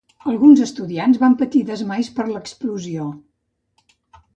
Alguns estudiants van patir desmais per l'explosió.